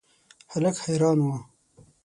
هلک حیران و.